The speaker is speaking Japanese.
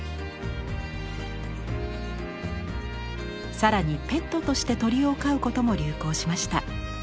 更にペットとして鳥を飼うことも流行しました。